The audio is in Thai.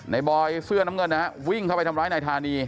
บอยเสื้อน้ำเงินนะฮะวิ่งเข้าไปทำร้ายนายธานี